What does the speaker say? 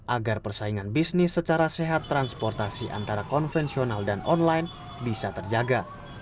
agar persaingan bisnis secara sehat transportasi antara konvensional dan online bisa terjaga